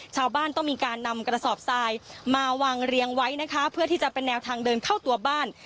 ชาวบ้านต้องมีการนำกระสอบทรายมาวางเรียงไว้นะคะเพื่อที่จะเป็นแนวทางเดินเข้าตัวบ้าน